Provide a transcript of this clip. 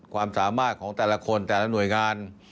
ความสามารถของแต่ละคนแต่ละหน่วยงาน